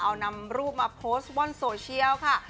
เอานำรูปมาโพสต์บนโซเชียลค่ะ